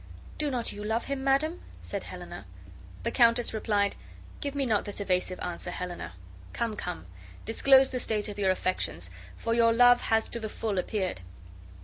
"Do not you love him, madam?" said Helena. The countess replied: "Give me not this evasive answer, Helena. Come, come, disclose the state of your affections, for your love has to the full appeared."